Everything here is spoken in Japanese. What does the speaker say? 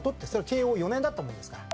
慶應４年だったものですから。